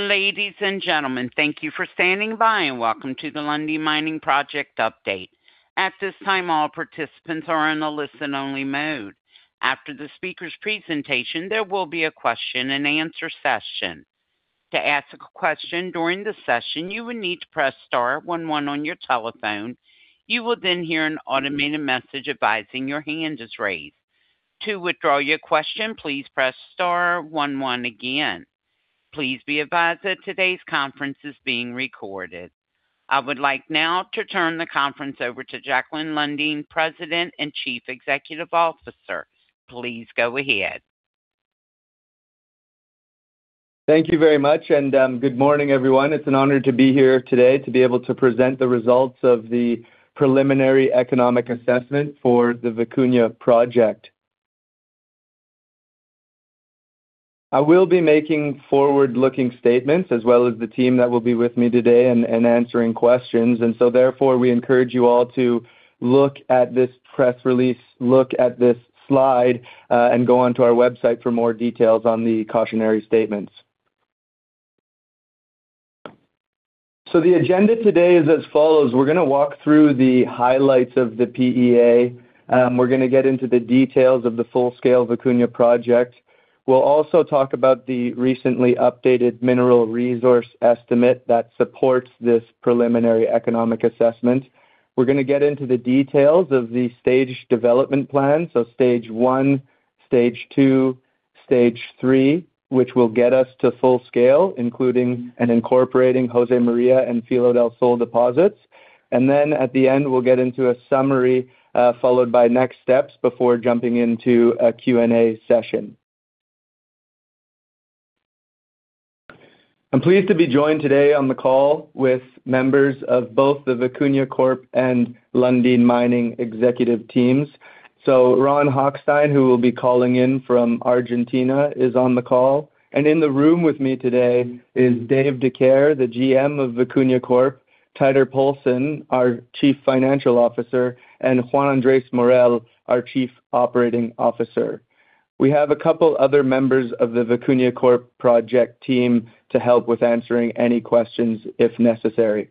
Ladies and gentlemen, thank you for standing by, and welcome to the Lundin Mining Project Update. At this time, all participants are in a listen-only mode. After the speakers' presentation, there will be a question-and-answer session. To ask a question during the session, you will need to press star one one on your telephone. You will then hear an automated message advising your hand is raised. To withdraw your question, please press star one one again. Please be advised that today's conference is being recorded. I would like now to turn the conference over to Jack Lundin, President and Chief Executive Officer. Please go ahead. Thank you very much, and good morning, everyone. It's an honor to be here today to be able to present the results of the preliminary economic assessment for the Vicuña Project. I will be making forward-looking statements, as well as the team that will be with me today and answering questions, and so therefore, we encourage you all to look at this press release, look at this slide, and go onto our website for more details on the cautionary statements. So the agenda today is as follows: We're going to walk through the highlights of the PEA. We're going to get into the details of the full-scale Vicuña Project. We'll also talk about the recently updated mineral resource estimate that supports this preliminary economic assessment. We're going to get into the details of the stage development plan, so Stage I, Stage 2, Stage 3, which will get us to full scale, including and incorporating Josemaria and Filo del Sol deposits. Then at the end, we'll get into a summary, followed by next steps before jumping into a Q&A session. I'm pleased to be joined today on the call with members of both the Vicuña Corp and Lundin Mining executive teams. So Ron Hochstein, who will be calling in from Argentina, is on the call, and in the room with me today is Dave Dicaire, the GM of Vicuña Corp, Teitur Poulsen, our Chief Financial Officer, and Juan Andrés Morel, our Chief Operating Officer. We have a couple other members of the Vicuña Corp project team to help with answering any questions if necessary.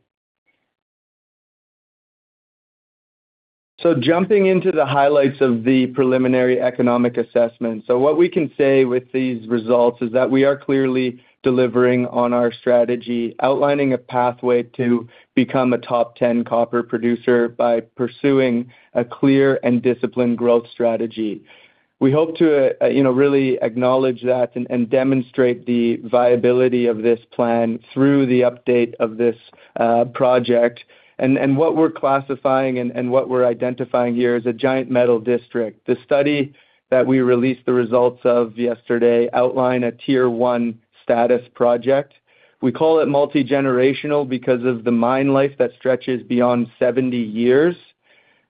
So jumping into the highlights of the preliminary economic assessment. So what we can say with these results is that we are clearly delivering on our strategy, outlining a pathway to become a top 10 copper producer by pursuing a clear and disciplined growth strategy. We hope to, you know, really acknowledge that and demonstrate the viability of this plan through the update of this project. What we're classifying and what we're identifying here is a giant metal district. The study that we released the results of yesterday outlines a Tier 1 status project. We call it multigenerational because of the mine life that stretches beyond 70 years,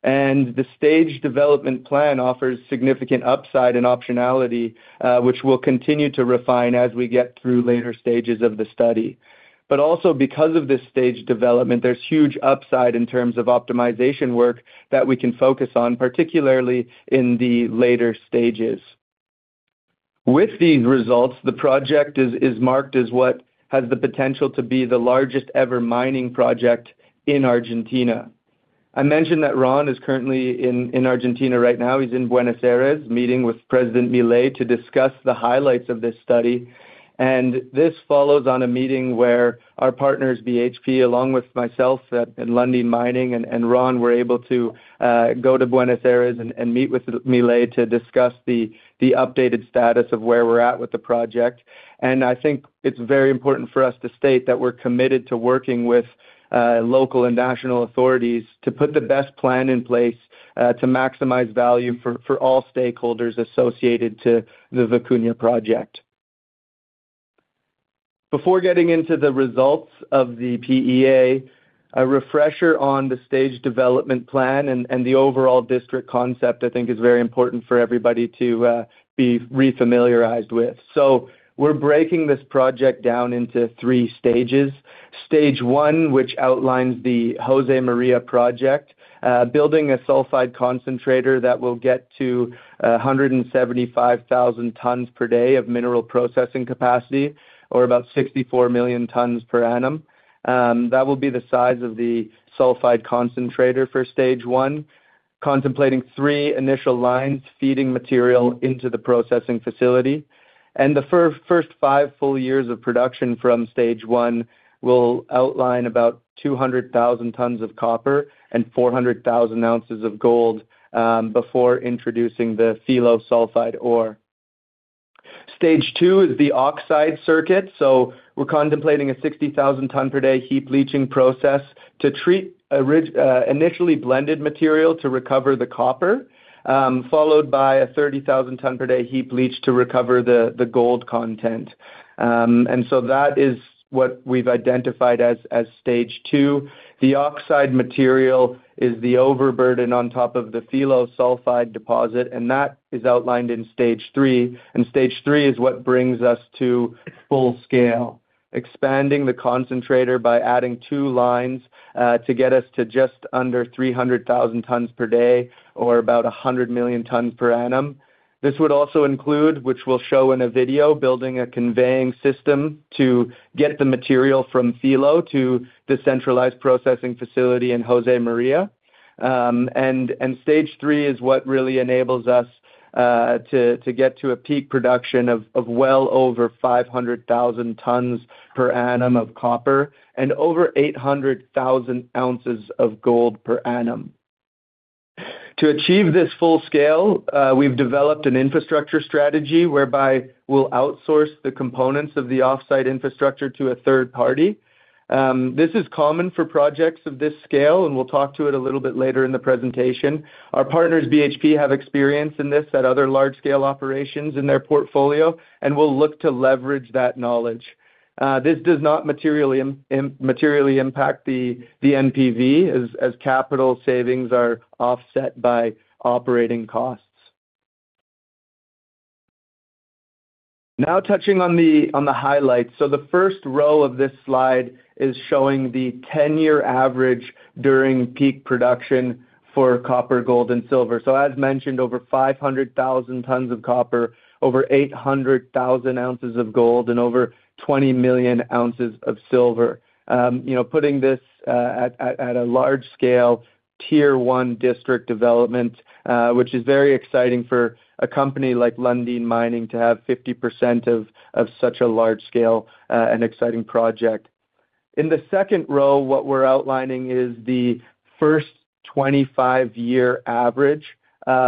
and the stage development plan offers significant upside and optionality, which we'll continue to refine as we get through later stages of the study. But also because of this stage development, there's huge upside in terms of optimization work that we can focus on, particularly in the later stages. With these results, the project is, is marked as what has the potential to be the largest-ever mining project in Argentina. I mentioned that Ron is currently in, in Argentina right now. He's in Buenos Aires, meeting with President Milei to discuss the highlights of this study, and this follows on a meeting where our partners, BHP, along with myself at, and Lundin Mining and, and Ron, were able to go to Buenos Aires and meet with Milei to discuss the updated status of where we're at with the project. I think it's very important for us to state that we're committed to working with local and national authorities to put the best plan in place to maximize value for all stakeholders associated to the Vicuña Project. Before getting into the results of the PEA, a refresher on the stage development plan and the overall district concept, I think is very important for everybody to be re-familiarized with. So we're breaking this project down into three stages. Stage 1, which outlines the Josemaria project, building a sulfide concentrator that will get to 175,000 tons per day of mineral processing capacity, or about 64 million tons per annum. That will be the size of the sulfide concentrator for Stage 1, contemplating three initial lines feeding material into the processing facility. The first five full years of production from Stage 1 will outline about 200,000 tons of copper and 400,000 ounces of gold before introducing the Filo sulfide ore. Stage 2 is the oxide circuit, so we're contemplating a 60,000 ton per day heap leaching process to treat ore initially blended material to recover the copper, followed by a 30,000 ton per day heap leach to recover the gold content. And so that is what we've identified as Stage 2. The oxide material is the overburden on top of the Filo sulfide deposit, and that is outlined in Stage 3, and Stage 3 is what brings us to full scale. expanding the concentrator by adding two lines, to get us to just under 300,000 tons per day, or about 100 million tons per annum. This would also include, which we'll show in a video, building a conveying system to get the material from Filo to the centralized processing facility in Josemaria. And Stage 3 is what really enables us, to get to a peak production of well over 500,000 tons per annum of copper and over 800,000 ounces of gold per annum. To achieve this full scale, we've developed an infrastructure strategy whereby we'll outsource the components of the off-site infrastructure to a third party. This is common for projects of this scale, and we'll talk to it a little bit later in the presentation. Our partners, BHP, have experience in this at other large-scale operations in their portfolio, and we'll look to leverage that knowledge. This does not materially impact the NPV as capital savings are offset by operating costs. Now, touching on the highlights. So the first row of this slide is showing the 10-year average during peak production for copper, gold, and silver. So as mentioned, over 500,000 tons of copper, over 800,000 ounces of gold, and over 20 million ounces of silver. You know, putting this at a large scale, Tier 1 district development, which is very exciting for a company like Lundin Mining to have 50% of such a large scale and exciting project. In the second row, what we're outlining is the first 25-year average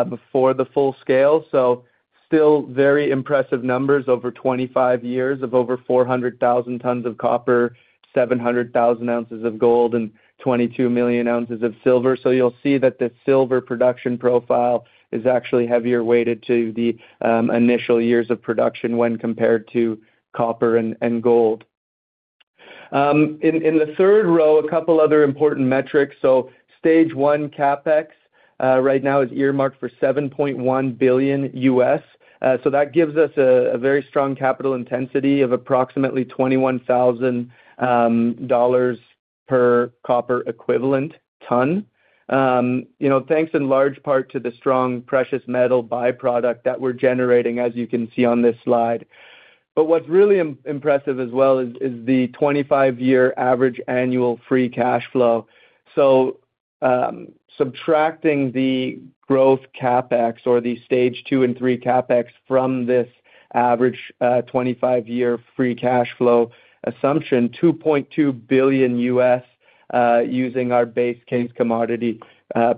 before the full scale. So still very impressive numbers over 25 years of over 400,000 tons of copper, 700,000 ounces of gold, and 22 million ounces of silver. So you'll see that the silver production profile is actually heavier weighted to the initial years of production when compared to copper and gold. In the third row, a couple other important metrics. So Stage 1 CapEx right now is earmarked for $7.1 billion. So that gives us a very strong capital intensity of approximately $21,000 per copper equivalent ton. You know, thanks in large part to the strong precious metal by-product that we're generating, as you can see on this slide. But what's really impressive as well is the 25-year average annual free cash flow. So, subtracting the growth CapEx or the Stage 2 and three CapEx from this average, 25-year free cash flow assumption, $2.2 billion, using our base case commodity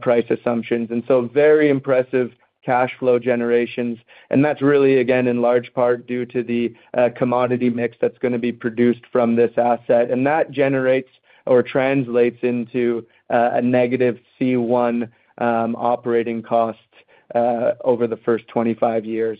price assumptions, and so very impressive cash flow generations. And that's really, again, in large part, due to the commodity mix that's gonna be produced from this asset, and that generates or translates into a negative C1 operating cost over the first 25 years.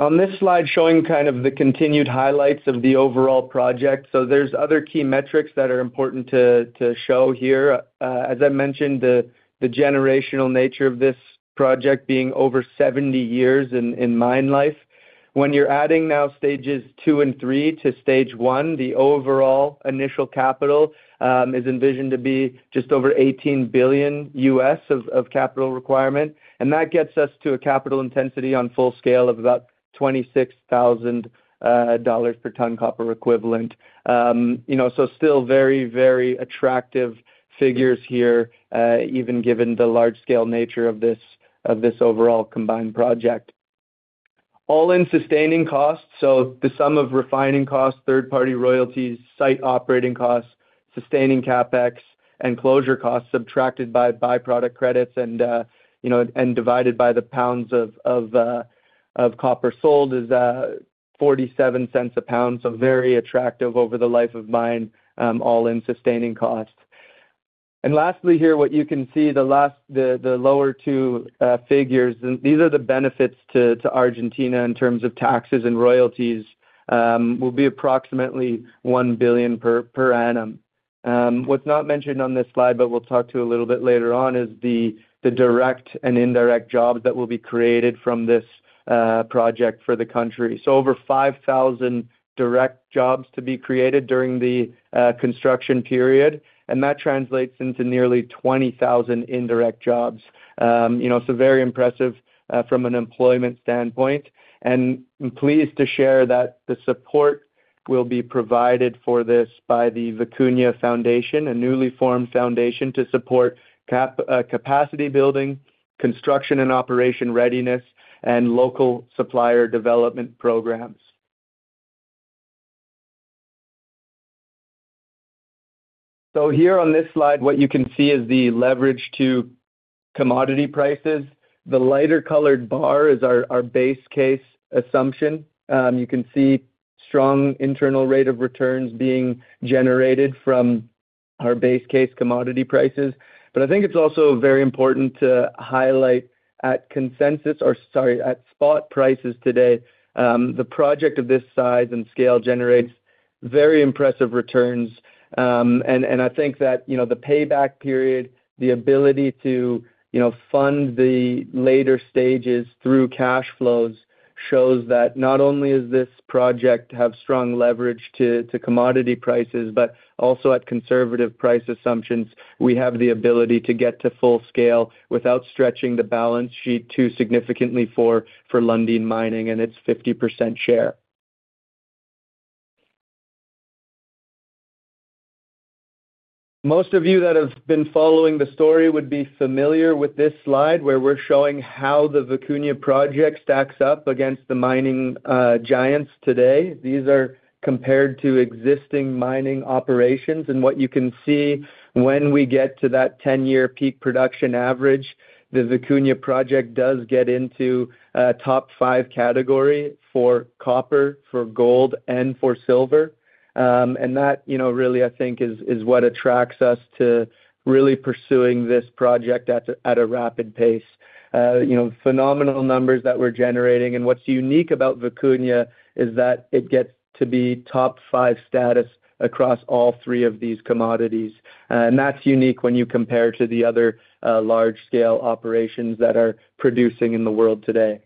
On this slide, showing kind of the continued highlights of the overall project. So there's other key metrics that are important to show here. As I mentioned, the generational nature of this project being over 70 years in mine life. When you're adding now Stages 2 and 3 to Stage 1, the overall initial capital is envisioned to be just over $18 billion U.S. capital requirement, and that gets us to a capital intensity on full scale of about $26,000 per ton copper equivalent. You know, so still very, very attractive figures here, even given the large-scale nature of this overall combined project. All-in sustaining costs, so the sum of refining costs, third-party royalties, site operating costs, sustaining CapEx, and closure costs, subtracted by byproduct credits and you know, and divided by the pounds of copper sold, is $0.47 a pound, so very attractive over the life of mine, all-in sustaining costs. And lastly, here, what you can see, the last, the lower two figures, and these are the benefits to Argentina in terms of taxes and royalties, will be approximately $1 billion per annum. What's not mentioned on this slide, but we'll talk to a little bit later on, is the direct and indirect jobs that will be created from this project for the country. So over 5,000 direct jobs to be created during the construction period, and that translates into nearly 20,000 indirect jobs. You know, so very impressive from an employment standpoint, and I'm pleased to share that the support will be provided for this by the Vicuña Foundation, a newly formed foundation to support capacity building, construction and operation readiness, and local supplier development programs. So here on this slide, what you can see is the leverage to commodity prices. The lighter-colored bar is our base case assumption. You can see strong internal rate of returns being generated from our base case commodity prices. But I think it's also very important to highlight at consensus or, sorry, at spot prices today, the project of this size and scale generates very impressive returns. And I think that, you know, the payback period, the ability to, you know, fund the later stages through cash flows, shows that not only does this project have strong leverage to commodity prices, but also at conservative price assumptions, we have the ability to get to full scale without stretching the balance sheet too significantly for Lundin Mining and its 50% share. Most of you that have been following the story would be familiar with this slide, where we're showing how the Vicuña project stacks up against the mining giants today. These are compared to existing mining operations, and what you can see when we get to that ten-year peak production average, the Vicuña project does get into top five category for copper, for gold, and for silver. And that, you know, really, I think, is what attracts us to really pursuing this project at a rapid pace. You know, phenomenal numbers that we're generating, and what's unique about Vicuña is that it gets to be top five status across all three of these commodities. And that's unique when you compare to the other large-scale operations that are producing in the world today.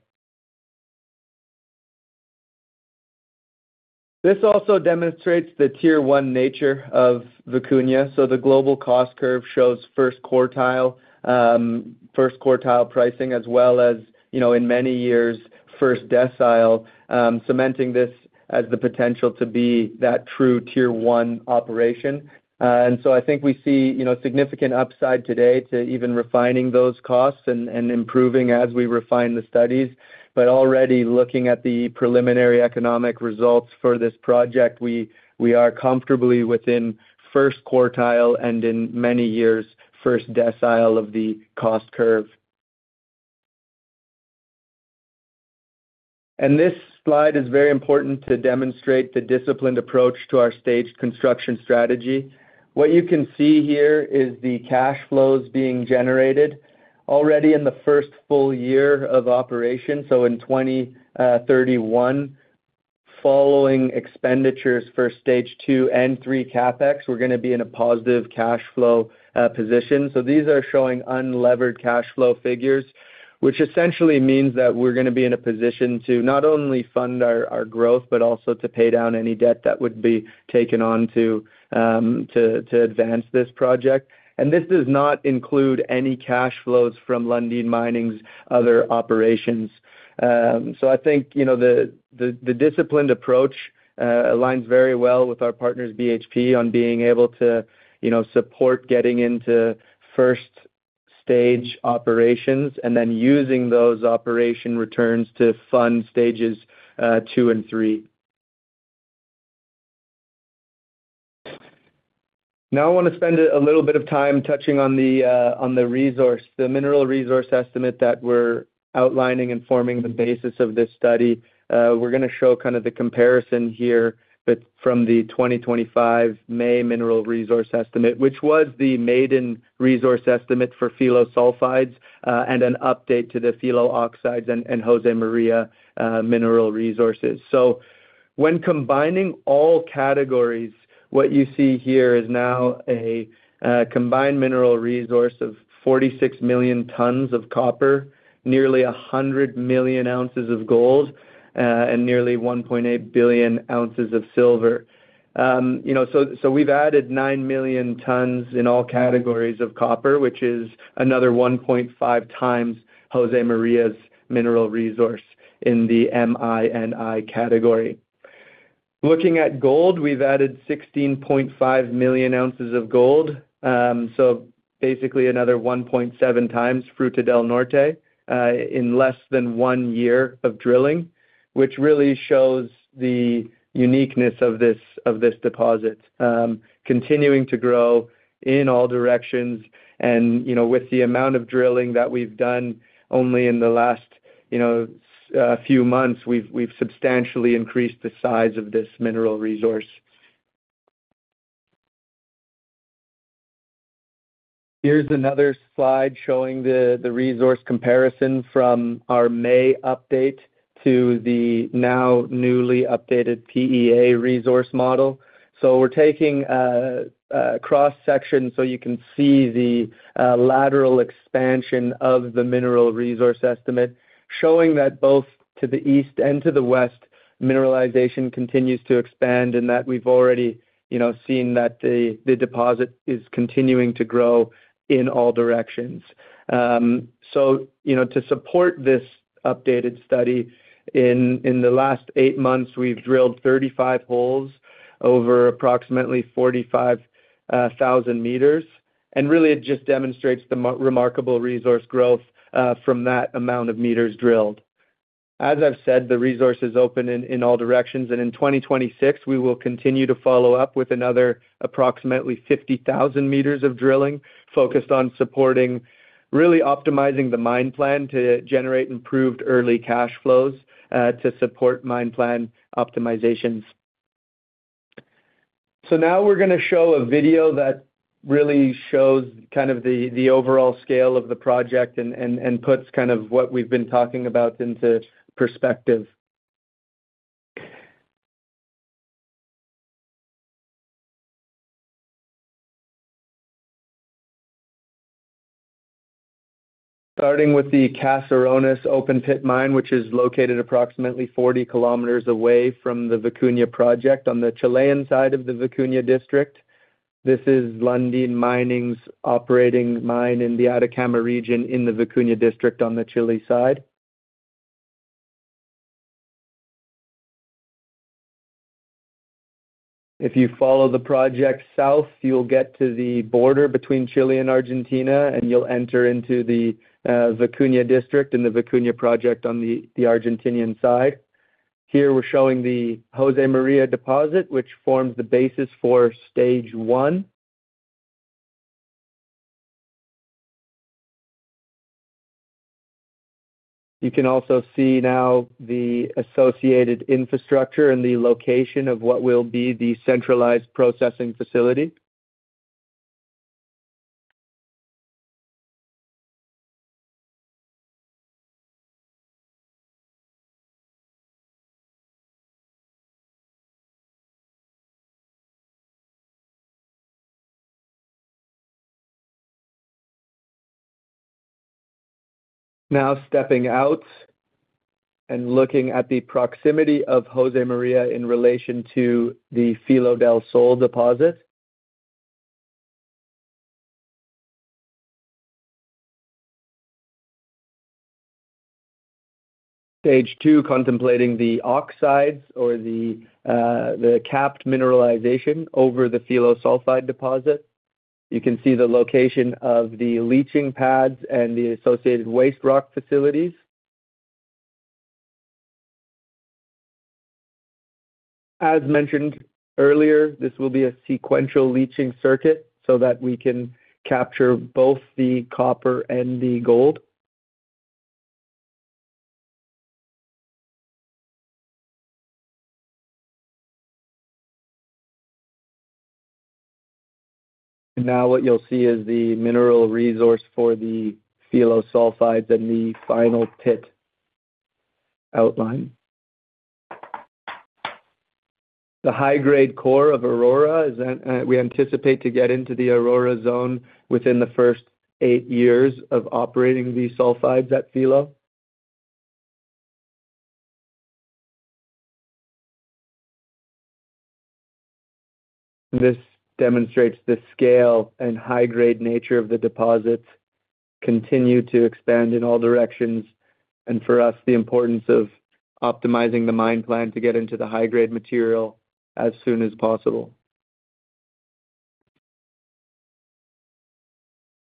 This also demonstrates the Tier 1 nature of Vicuña. So the global cost curve shows first quartile, first quartile pricing, as well as, you know, in many years, first decile, cementing this as the potential to be that true Tier 1 operation. And so I think we see, you know, significant upside today to even refining those costs and, and improving as we refine the studies. But already looking at the preliminary economic results for this project, we, we are comfortably within first quartile and in many years, first decile of the cost curve. And this slide is very important to demonstrate the disciplined approach to our staged construction strategy. What you can see here is the cash flows being generated already in the first full year of operation. So in 2031, following expenditures for Stage 2 and 3 CapEx, we're going to be in a positive cash flow position. So these are showing unlevered cash flow figures, which essentially means that we're going to be in a position to not only fund our, our growth, but also to pay down any debt that would be taken on to advance this project. And this does not include any cash flows from Lundin Mining's other operations. So I think, you know, the disciplined approach aligns very well with our partners, BHP, on being able to, you know, support getting into first stage operations and then using those operation returns to fund Stages 2 and 3. Now, I want to spend a little bit of time touching on the on the resource, the mineral resource estimate that we're outlining and forming the basis of this study. We're going to show kind of the comparison here, but from the May 2025 mineral resource estimate, which was the maiden resource estimate for Filo del Sol, and an update to the Filo del Sol and Josemaria mineral resources. So when combining all categories, what you see here is now a combined mineral resource of 46 million tons of copper, nearly 100 million ounces of gold, and nearly 1.8 billion ounces of silver. You know, so we've added 9 million tons in all categories of copper, which is another 1.5x Josemaria's mineral resource in the M&I category. Looking at gold, we've added 16.5 million ounces of gold, so basically another 1.7x Fruta del Norte in less than one year of drilling, which really shows the uniqueness of this deposit. Continuing to grow in all directions and, you know, with the amount of drilling that we've done only in the last, you know, few months, we've substantially increased the size of this mineral resource. Here's another slide showing the resource comparison from our May update to the now newly updated PEA resource model. So we're taking a cross-section so you can see the lateral expansion of the mineral resource estimate, showing that both to the east and to the west, mineralization continues to expand, and that we've already, you know, seen that the deposit is continuing to grow in all directions. So, you know, to support this updated study, in the last eight months, we've drilled 35 holes over approximately 45,000 meters. And really, it just demonstrates the remarkable resource growth from that amount of meters drilled. As I've said, the resource is open in all directions, and in 2026, we will continue to follow up with another approximately 50,000 meters of drilling, focused on supporting, really optimizing the mine plan to generate improved early cash flows, to support mine plan optimizations. So now we're gonna show a video that really shows kind of the overall scale of the project and puts kind of what we've been talking about into perspective. Starting with the Caserones open-pit mine, which is located approximately 40 kilometers away from the Vicuña project on the Chilean side of the Vicuña District. This is Lundin Mining's operating mine in the Atacama region, in the Vicuña District on the Chilean side. If you follow the project south, you'll get to the border between Chile and Argentina, and you'll enter into the Vicuña District in the Vicuña project on the Argentine side. Here, we're showing the Josemaria deposit, which forms the basis for Stage 1. You can also see now the associated infrastructure and the location of what will be the centralized processing facility. Now, stepping out and looking at the proximity of Josemaria in relation to the Filo del Sol deposit. Stage 2, contemplating the oxides or the capped mineralization over the Filo sulfide deposit. You can see the location of the leaching pads and the associated waste rock facilities. As mentioned earlier, this will be a sequential leaching circuit so that we can capture both the copper and the gold. Now, what you'll see is the mineral resource for the Filo sulfides and the final pit outline. The high-grade core of Aurora is. We anticipate to get into the Aurora zone within the first eight years of operating these sulfides at Filo. This demonstrates the scale and high-grade nature of the deposits continue to expand in all directions, and for us, the importance of optimizing the mine plan to get into the high-grade material as soon as possible.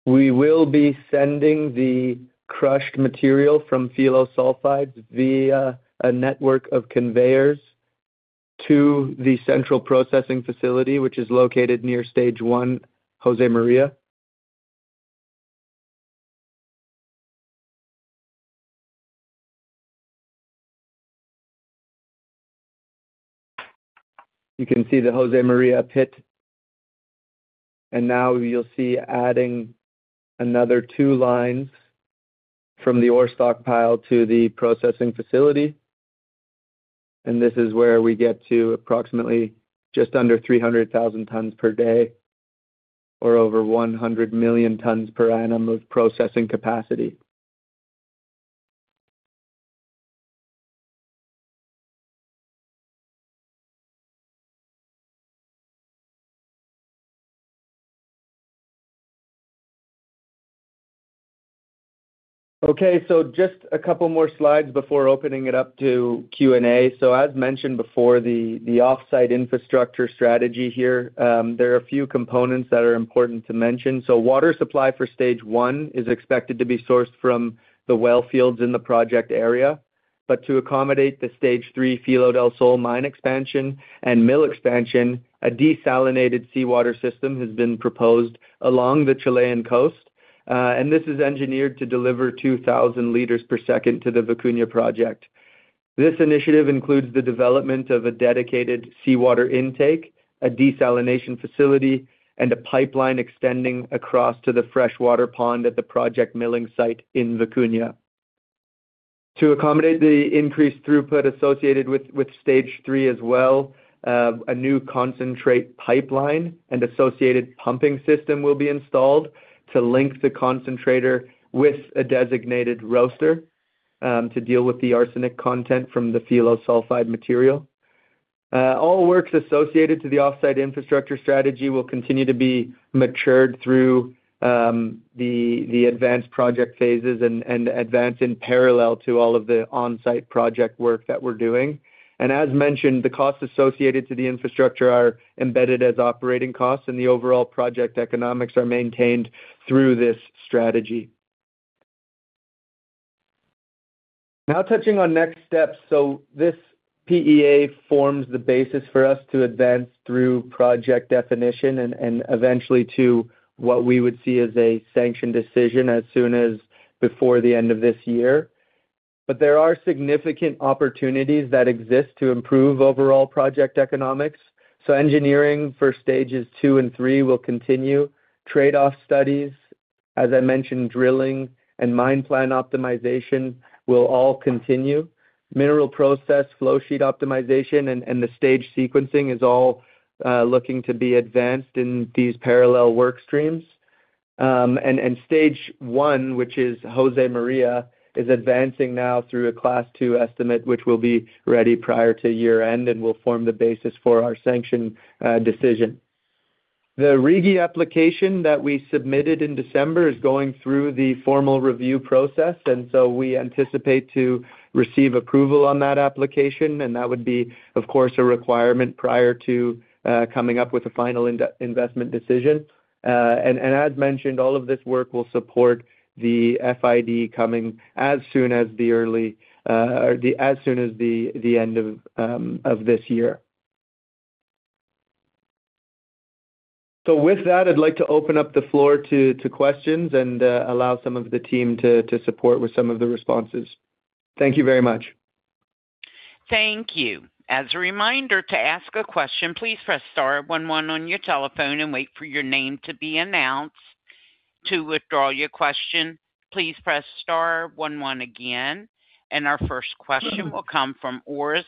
We will be sending the crushed material from Filo sulfides via a network of conveyors to the central processing facility, which is located near Stage 1, Josemaria. You can see the Josemaria pit, and now you'll see adding another two lines from the ore stockpile to the processing facility. This is where we get to approximately just under 300,000 tons per day or over 100 million tons per annum of processing capacity. Okay, just a couple more slides before opening it up to Q&A. As mentioned before, the off-site infrastructure strategy here, there are a few components that are important to mention. Water supply for Stage 1 is expected to be sourced from the well fields in the project area. But to accommodate the Stage 3 Filo del Sol mine expansion and mill expansion, a desalinated seawater system has been proposed along the Chilean coast, and this is engineered to deliver 2,000 liters per second to the Vicuña project. This initiative includes the development of a dedicated seawater intake, a desalination facility, and a pipeline extending across to the freshwater pond at the project milling site in Vicuña. To accommodate the increased throughput associated with Stage 3 as well, a new concentrate pipeline and associated pumping system will be installed to link the concentrator with a designated roaster to deal with the arsenic content from the Filo sulfide material. All works associated to the off-site infrastructure strategy will continue to be matured through the advanced project phases and advance in parallel to all of the on-site project work that we're doing. And as mentioned, the costs associated to the infrastructure are embedded as operating costs, and the overall project economics are maintained through this strategy. Now, touching on next steps. So this PEA forms the basis for us to advance through project definition and eventually to what we would see as a sanction decision as soon as before the end of this year. But there are significant opportunities that exist to improve overall project economics. So engineering for stages two and three will continue. Trade-off studies, as I mentioned, drilling and mine plan optimization will all continue. Mineral processing flowsheet optimization, and the stage sequencing is all looking to be advanced in these parallel work streams. And Stage 1, which is Josemaria, is advancing now through a Class 2 Estimate, which will be ready prior to year-end and will form the basis for our sanction decision. The RIGI application that we submitted in December is going through the formal review process, and so we anticipate to receive approval on that application, and that would be, of course, a requirement prior to coming up with a final investment decision. And as mentioned, all of this work will support the FID coming as soon as the early, or the, as soon as the end of this year. So with that, I'd like to open up the floor to questions and allow some of the team to support with some of the responses. Thank you very much. Thank you. As a reminder, to ask a question, please press star one, one on your telephone and wait for your name to be announced. To withdraw your question, please press star one, one again. And our first question will come from Orest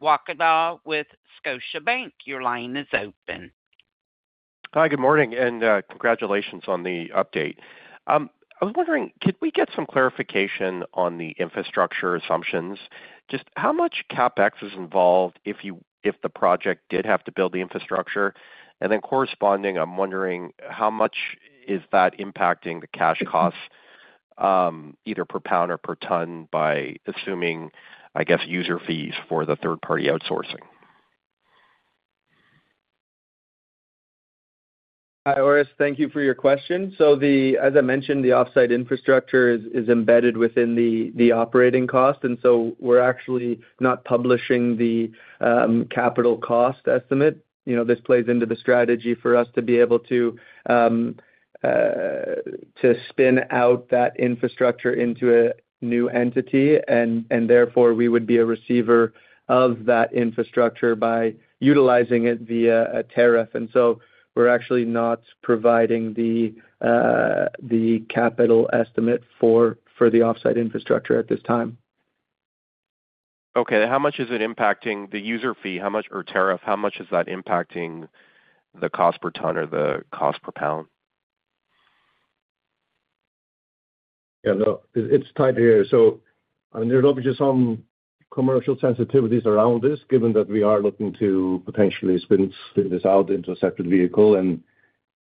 Wowkodaw with Scotiabank. Your line is open. Hi, good morning, and congratulations on the update. I was wondering, could we get some clarification on the infrastructure assumptions? Just how much CapEx is involved if you, if the project did have to build the infrastructure? And then corresponding, I'm wondering how much is that impacting the cash costs, either per pound or per ton, by assuming, I guess, user fees for the third-party outsourcing? Hi, Orest, thank you for your question. So as I mentioned, the offsite infrastructure is embedded within the operating cost, and so we're actually not publishing the capital cost estimate. You know, this plays into the strategy for us to be able to to spin out that infrastructure into a new entity, and therefore, we would be a receiver of that infrastructure by utilizing it via a tariff. And so we're actually not providing the capital estimate for the offsite infrastructure at this time. Okay, how much is it impacting the user fee? How much, or tariff, how much is that impacting the cost per ton or the cost per pound? Yeah, no, it's tied here. So I mean, there's obviously some commercial sensitivities around this, given that we are looking to potentially spin this out into a separate vehicle. And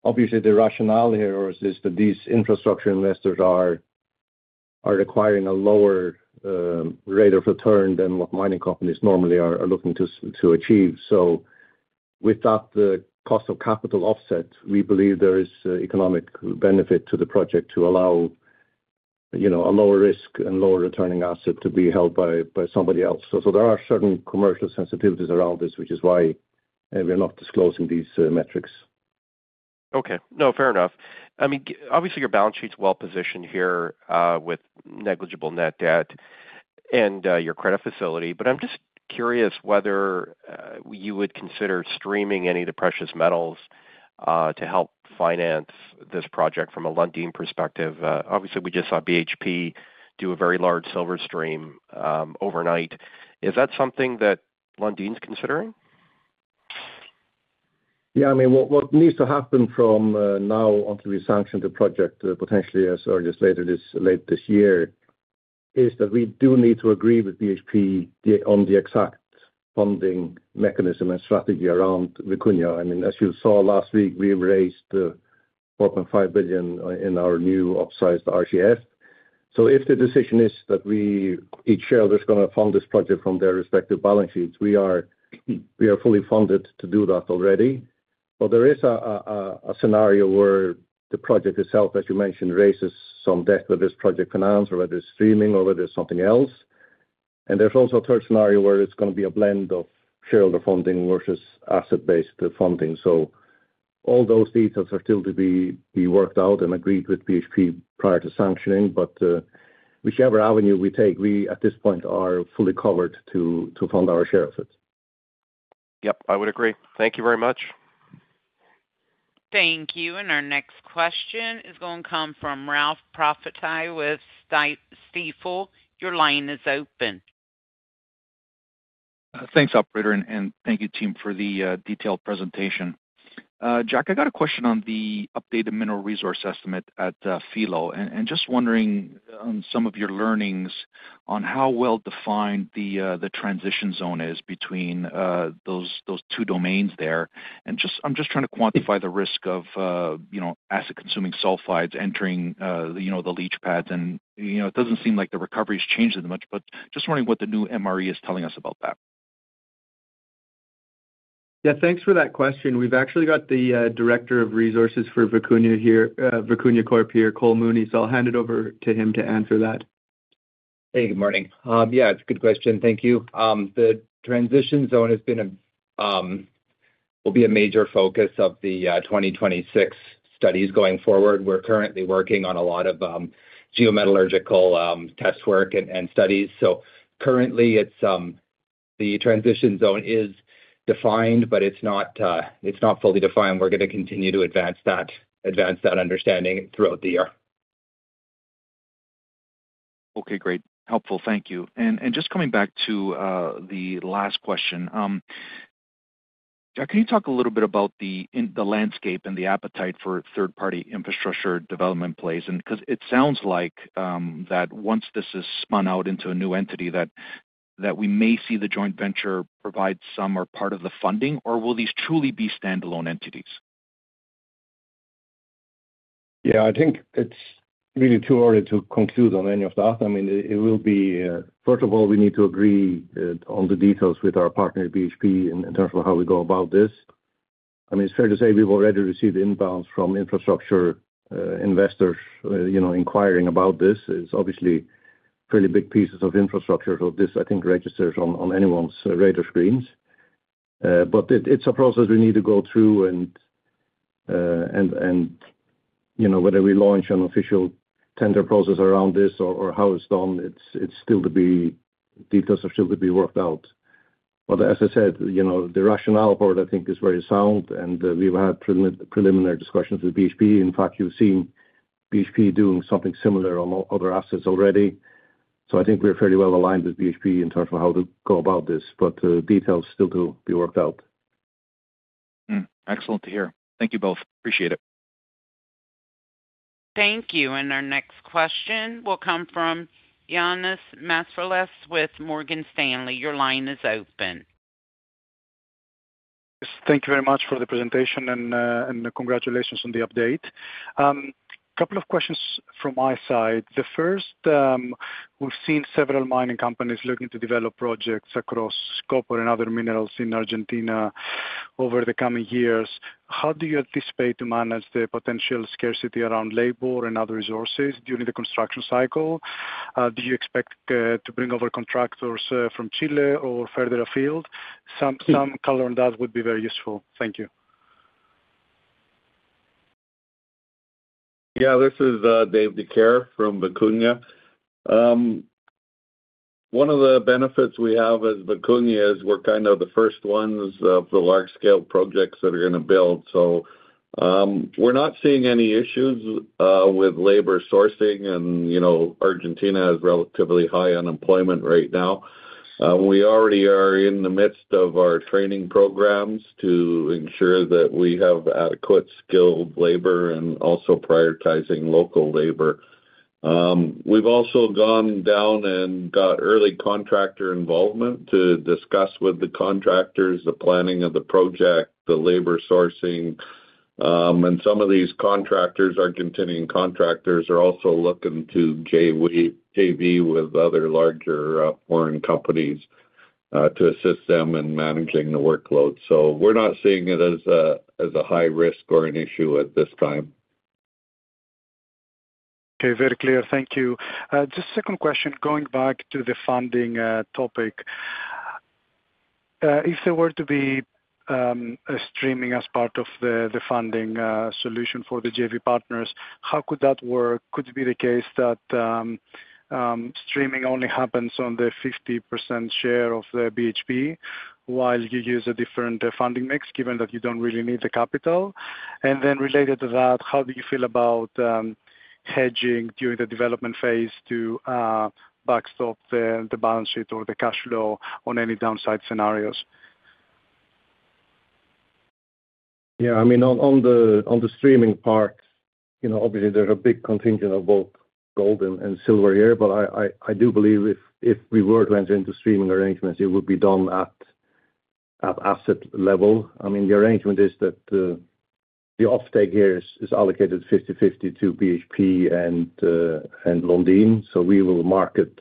obviously, the rationale here is that these infrastructure investors are requiring a lower rate of return than what mining companies normally are looking to achieve. So without the cost of capital offset, we believe there is economic benefit to the project to allow, you know, a lower risk and lower returning asset to be held by somebody else. So there are certain commercial sensitivities around this, which is why we are not disclosing these metrics. Okay. No, fair enough. I mean, obviously, your balance sheet's well-positioned here, with negligible net debt and, your credit facility, but I'm just curious whether, you would consider streaming any of the precious metals, to help finance this project from a Lundin perspective. Obviously, we just saw BHP do a very large silver stream, overnight. Is that something that Lundin's considering? Yeah, I mean, what needs to happen from now until we sanction the project, potentially as early as late this year, is that we do need to agree with BHP on the exact funding mechanism and strategy around Vicuña. I mean, as you saw last week, we raised $4.5 billion in our new upsized RCF. So if the decision is that each shareholder is gonna fund this project from their respective balance sheets, we are fully funded to do that already. But there is a scenario where the project itself, as you mentioned, raises some debt, whether it's project finance or whether it's streaming or whether it's something else. And there's also a third scenario where it's gonna be a blend of shareholder funding versus asset-based funding. So all those details are still to be worked out and agreed with BHP prior to sanctioning. But whichever avenue we take, we, at this point, are fully covered to fund our share of it. Yep, I would agree. Thank you very much. Thank you. Our next question is going to come from Ralph Profiti with Stifel. Your line is open. Thanks, operator, and thank you, team, for the detailed presentation. Jack, I got a question on the updated mineral resource estimate at Filo. And just wondering, on some of your learnings, on how well-defined the transition zone is between those two domains there. And just- I'm just trying to quantify the risk of you know, acid-consuming sulfides entering you know, the leach pads and you know, it doesn't seem like the recovery's changed that much, but just wondering what the new MRE is telling us about that. Yeah, thanks for that question. We've actually got the Director of Resources for Vicuña here, Vicuña Corp here, Cole Mooney, so I'll hand it over to him to answer that. Hey, good morning. Yeah, it's a good question. Thank you. The transition zone has been a will be a major focus of the 2026 studies going forward. We're currently working on a lot of geometallurgical test work and studies. So currently it's the transition zone is defined, but it's not fully defined. We're gonna continue to advance that understanding throughout the year. Okay, great. Helpful. Thank you. And just coming back to the last question. Jack, can you talk a little bit about the landscape and the appetite for third-party infrastructure development plays? And because it sounds like that once this is spun out into a new entity, that we may see the joint venture provide some or part of the funding, or will these truly be standalone entities? Yeah, I think it's really too early to conclude on any of that. I mean, it will be, first of all, we need to agree on the details with our partner, BHP, in terms of how we go about this. I mean, it's fair to say we've already received inbounds from infrastructure investors, you know, inquiring about this. It's obviously pretty big pieces of infrastructure. So this, I think, registers on anyone's radar screens. But it's a process we need to go through, and you know, whether we launch an official tender process around this or how it's done, it's still to be-- Details are still to be worked out. But as I said, you know, the rationale part, I think, is very sound, and we've had preliminary discussions with BHP. In fact, you've seen BHP doing something similar on other assets already. So I think we're fairly well aligned with BHP in terms of how to go about this, but, details still to be worked out. Excellent to hear. Thank you both. Appreciate it. Thank you, and our next question will come from Ioannis Masvoulas with Morgan Stanley. Your line is open. Yes, thank you very much for the presentation, and congratulations on the update. Couple of questions from my side. The first, we've seen several mining companies looking to develop projects across copper and other minerals in Argentina over the coming years. How do you anticipate to manage the potential scarcity around labor and other resources during the construction cycle? Do you expect to bring over contractors from Chile or further afield? Some color on that would be very useful. Thank you. Yeah, this is Dave Dicaire from Vicuña. One of the benefits we have as Vicuña is we're kind of the first ones of the large-scale projects that are gonna build, so we're not seeing any issues with labor sourcing. You know, Argentina has relatively high unemployment right now. We already are in the midst of our training programs to ensure that we have adequate skilled labor and also prioritizing local labor. We've also gone down and got early contractor involvement to discuss with the contractors the planning of the project, the labor sourcing. And some of these contractors, Argentine contractors, are also looking to JV with other larger foreign companies to assist them in managing the workload. So we're not seeing it as a high risk or an issue at this time. Okay, very clear. Thank you. Just second question, going back to the funding topic. If there were to be streaming as part of the funding solution for the JV partners, how could that work? Could it be the case that streaming only happens on the 50% share of the BHP, while you use a different funding mix, given that you don't really need the capital? And then related to that, how do you feel about hedging during the development phase to backstop the balance sheet or the cash flow on any downside scenarios? Yeah, I mean, on the streaming part, you know, obviously there's a big contingent of both gold and silver here, but I do believe if we were to enter into streaming arrangements, it would be done at asset level. I mean, the arrangement is that the offtake here is allocated 50/50 to BHP and Lundin. So we will market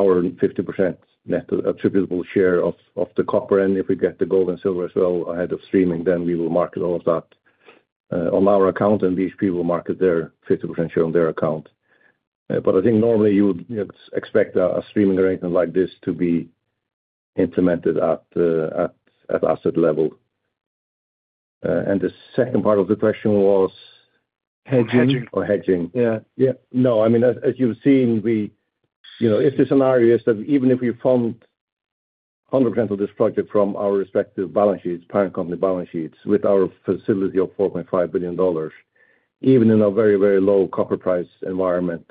our 50% net attributable share of the copper, and if we get the gold and silver as well ahead of streaming, then we will market all of that on our account, and BHP will market their 50% share on their account. But I think normally you would expect a streaming arrangement like this to be implemented at asset level. And the second part of the question was? Hedging. Hedging. Oh, hedging. Yeah. Yeah. No, I mean, as you've seen, we. You know, if the scenario is that even if we fund 100% of this project from our respective balance sheets, parent company balance sheets, with our facility of $4.5 billion, even in a very, very low copper price environment,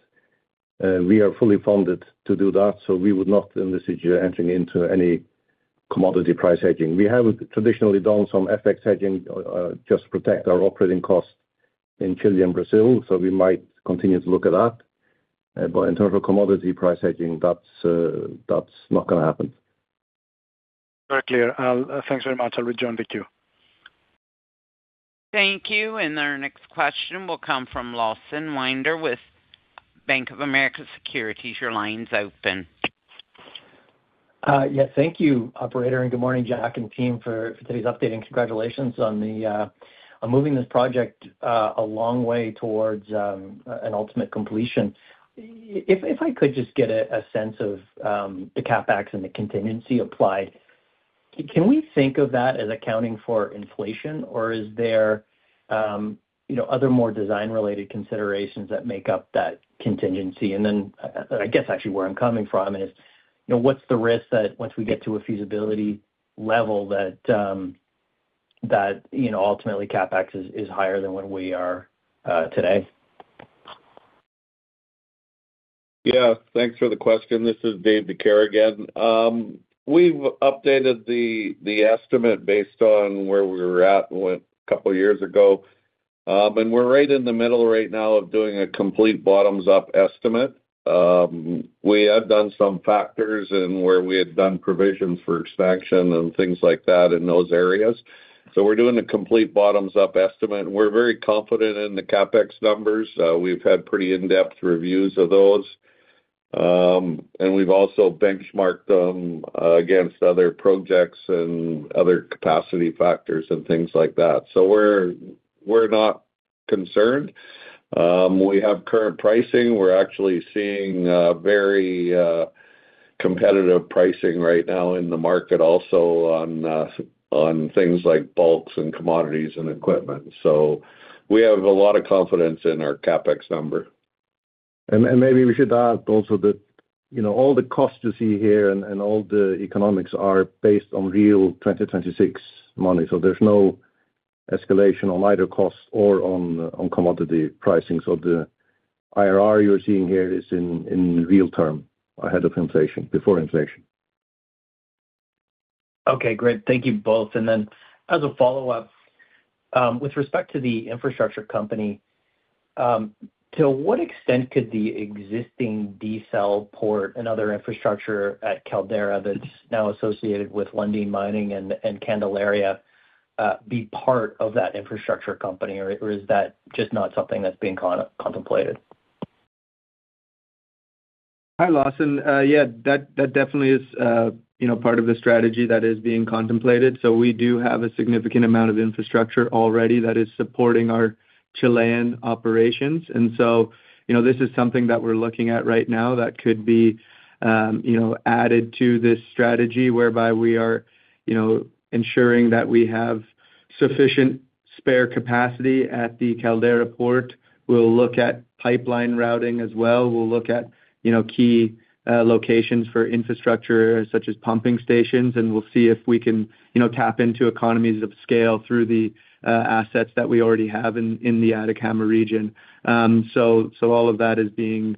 we are fully funded to do that, so we would not envisage entering into any commodity price hedging. We have traditionally done some FX hedging, just to protect our operating costs in Chile and Brazil, so we might continue to look at that. But in terms of commodity price hedging, that's not gonna happen. Very clear. I'll-- thanks very much. I'll rejoin the queue. Thank you, and our next question will come from Lawson Winder with Bank of America Securities. Your line's open. Yeah, thank you, operator, and good morning, Jack and team, for today's update, and congratulations on moving this project a long way towards an ultimate completion. If I could just get a sense of the CapEx and the contingency applied. Can we think of that as accounting for inflation, or is there, you know, other more design-related considerations that make up that contingency? And then, I guess actually where I'm coming from is, you know, what's the risk that once we get to a feasibility level that, you know, ultimately CapEx is higher than what we are today? Yeah. Thanks for the question. This is Dave Dicaire again. We've updated the estimate based on where we were at with a couple of years ago. And we're right in the middle right now of doing a complete bottoms-up estimate. We have done some factors and where we had done provisions for expansion and things like that in those areas. So we're doing a complete bottoms-up estimate. We're very confident in the CapEx numbers. We've had pretty in-depth reviews of those. And we've also benchmarked them against other projects and other capacity factors and things like that. So we're not concerned. We have current pricing. We're actually seeing very competitive pricing right now in the market, also on things like bulks and commodities and equipment. So we have a lot of confidence in our CapEx number. And maybe we should add also that, you know, all the costs you see here and all the economics are based on real 2026 money, so there's no escalation on either cost or on commodity pricing. So the IRR you're seeing here is in real term, ahead of inflation, before inflation. Okay, great. Thank you both. And then as a follow-up, with respect to the infrastructure company, to what extent could the existing diesel port and other infrastructure at Caldera that's now associated with Lundin Mining and, and Candelaria, be part of that infrastructure company, or, or is that just not something that's being contemplated? Hi, Lawson. Yeah, that definitely is, you know, part of the strategy that is being contemplated. So we do have a significant amount of infrastructure already that is supporting our Chilean operations. And so, you know, this is something that we're looking at right now that could be, you know, added to this strategy, whereby we are, you know, ensuring that we have sufficient spare capacity at the Caldera port. We'll look at pipeline routing as well. We'll look at, you know, key locations for infrastructure, such as pumping stations, and we'll see if we can, you know, tap into economies of scale through the assets that we already have in the Atacama region. So all of that is being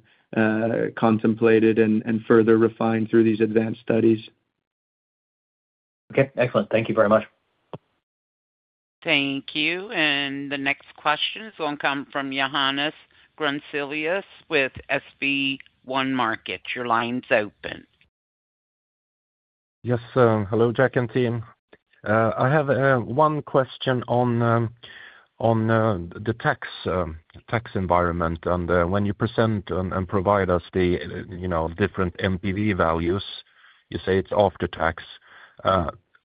contemplated and further refined through these advanced studies. Okay, excellent. Thank you very much. Thank you. And the next question will come from Johannes Grunselius with SB1 Markets. Your line's open. Yes. Hello, Jack and team. I have one question on the tax environment. When you present and provide us the, you know, different NPV values, you say it's after tax.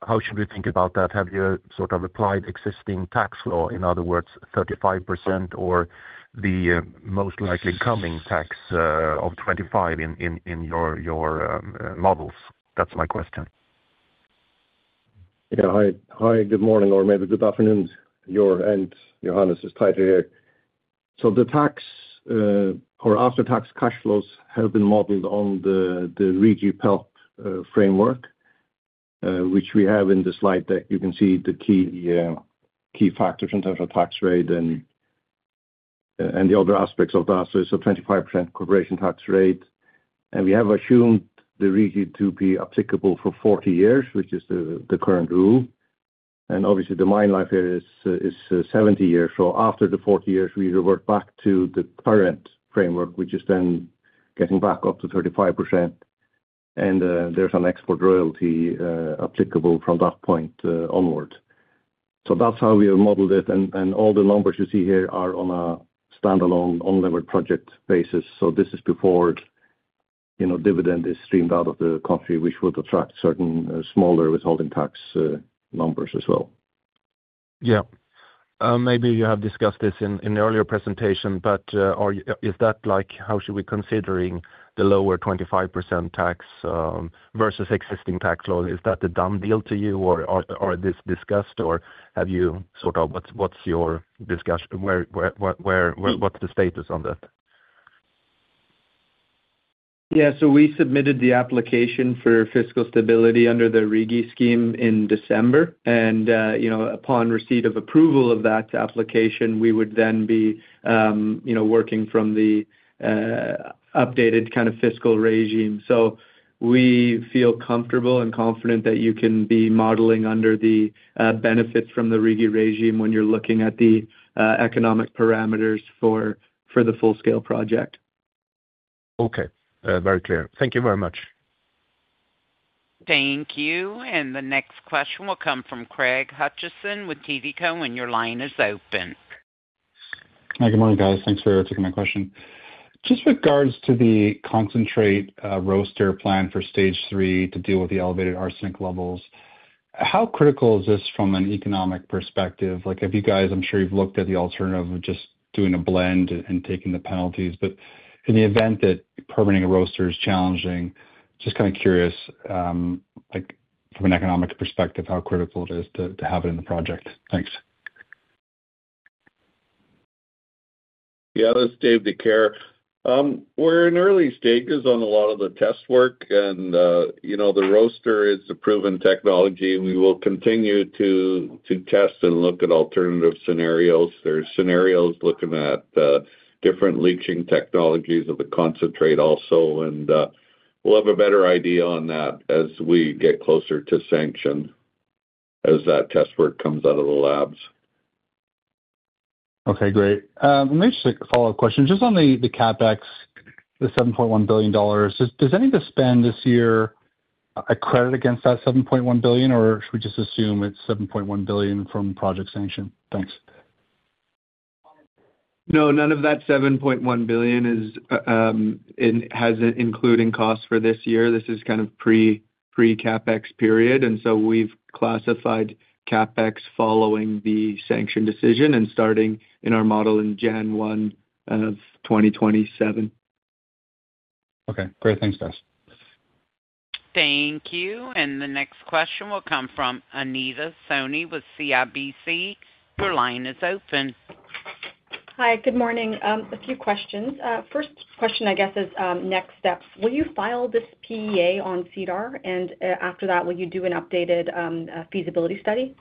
How should we think about that? Have you sort of applied existing tax law, in other words, 35%, or the most likely coming tax of 25% in your models? That's my question. Yeah. Hi. Hi, good morning, or maybe good afternoon, your-- And Johannes, it's Teitur here. So the tax, or after-tax cash flows have been modeled on the RIGI PEELP framework, which we have in the slide deck. You can see the key, key factors in terms of tax rate and, and the other aspects of that. So it's a 25% corporation tax rate, and we have assumed the RIGI to be applicable for 40 years, which is the, the current rule. And obviously, the mine life here is, is 70 years. So after the 40 years, we revert back to the current framework, which is then getting back up to 35%, and, there's an export royalty, applicable from that point, onward. So that's how we have modeled it, and all the numbers you see here are on a standalone, unlimited project basis. So this is before, you know, dividend is streamed out of the country, which would attract certain, smaller withholding tax, numbers as well. Yeah. Maybe you have discussed this in the earlier presentation, but, are... Is that like, how should we considering the lower 25% tax versus existing tax law? Is that a done deal to you, or is this discussed, or have you sort of-- What's your discussion? Where, what, what's the status on that? Yeah, so we submitted the application for fiscal stability under the RIGI scheme in December, and, you know, upon receipt of approval of that application, we would then be, you know, working from the, updated kind of fiscal regime. So we feel comfortable and confident that you can be modeling under the, benefits from the RIGI regime when you're looking at the, economic parameters for the full-scale project. Okay. Very clear. Thank you very much. Thank you. The next question will come from Craig Hutchison with TD Cowen, and your line is open. Hi, good morning, guys. Thanks for taking my question. Just regards to the concentrate, roaster plan for Stage 3 to deal with the elevated arsenic levels, how critical is this from an economic perspective? Like, have you guys, I'm sure you've looked at the alternative of just doing a blend and taking the penalties, but in the event that permitting a roaster is challenging, just kind of curious, like from an economic perspective, how critical it is to have it in the project? Thanks. Yeah, this is Dave Dicaire. We're in early stages on a lot of the test work, and, you know, the roaster is a proven technology, and we will continue to test and look at alternative scenarios. There are scenarios looking at different leaching technologies of the concentrate also, and we'll have a better idea on that as we get closer to sanction, as that test work comes out of the labs. Okay, great. Let me just take a follow-up question. Just on the CapEx, the $7.1 billion, does any of the spend this year credit against that $7.1 billion, or should we just assume it's $7.1 billion from project sanction? Thanks. No, none of that $7.1 billion isn't including costs for this year. This is kind of pre-CapEx period, and so we've classified CapEx following the sanction decision and starting in our model in January 1, 2027. Okay, great. Thanks, guys. Thank you. The next question will come from Anita Soni with CIBC. Your line is open. Hi, good morning. A few questions. First question, I guess, is next steps. Will you file this PEA on SEDAR? And, after that, will you do an updated feasibility study?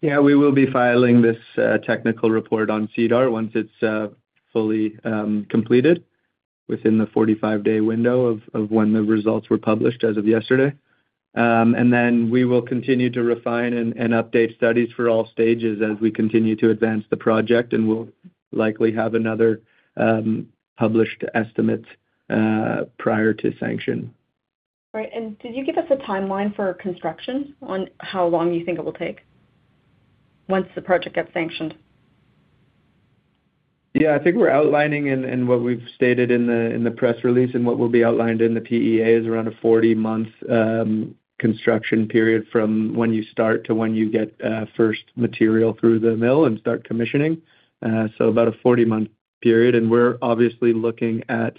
Yeah, we will be filing this technical report on SEDAR once it's fully completed within the 45-day window of when the results were published as of yesterday. And then we will continue to refine and update studies for all stages as we continue to advance the project, and we'll likely have another published estimate prior to sanction. Right. And could you give us a timeline for construction on how long you think it will take once the project gets sanctioned? Yeah, I think we're outlining and what we've stated in the press release and what will be outlined in the PEA is around a 40-month construction period from when you start to when you get first material through the mill and start commissioning. So about a 40-month period, and we're obviously looking at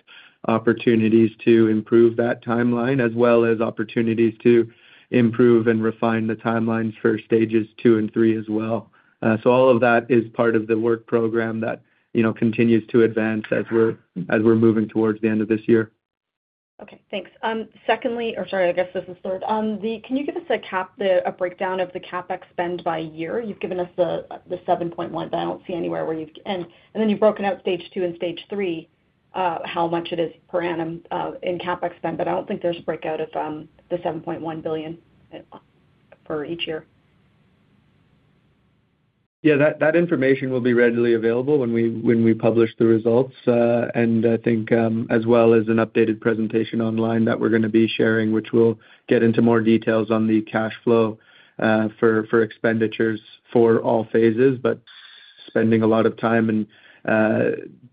opportunities to improve that timeline, as well as opportunities to improve and refine the timelines for Stages 2 and 3 as well. So all of that is part of the work program that you know continues to advance as we're moving towards the end of this year. Okay, thanks. Secondly, or sorry, I guess this is third. Can you give us a CapEx breakdown by year? You've given us the $7.1 billion, but I don't see anywhere where you've... And then you've broken out Stage 2 and Stage 3, how much it is per annum in CapEx spend, but I don't think there's a breakout of the $7.1 billion for each year. Yeah, that, that information will be readily available when we, when we publish the results. And I think, as well as an updated presentation online that we're gonna be sharing, which will get into more details on the cash flow, for, for expenditures for all phases, but spending a lot of time and,